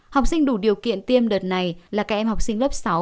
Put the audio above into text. học sinh đủ điều kiện tiêm đợt này là các em học sinh lớp sáu